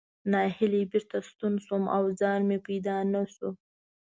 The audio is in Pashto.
نهیلی بېرته ستون شوم او ځای مې پیدا نه شو.